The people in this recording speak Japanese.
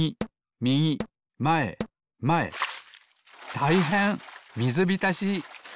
たいへんみずびたし！